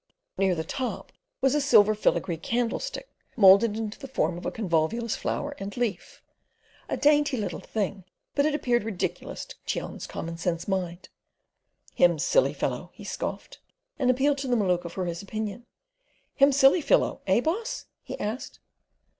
Near the top was a silver filigree candlestick moulded into the form of a Convolvulus flower and leaf—a dainty little thing, but it appeared ridiculous to Cheon's commonsense mind. "Him silly fellow," he scoffed, and appealed to the Maluka for his opinion: "him silly fellow? Eh boss?" he asked.